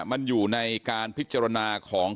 มันอยู่ในการพิจารณาของ